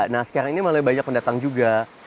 nah sekarang ini malah banyak pendatang juga